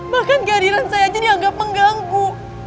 bahkan kehadiran saya aja dianggap mengganggu